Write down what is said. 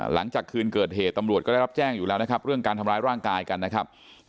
หลังจากคืนเกิดเหตุตำรวจก็ได้รับแจ้งอยู่แล้วนะครับเรื่องการทำร้ายร่างกายกันนะครับ